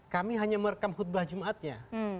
kami hanya merekam khutbah jumatnya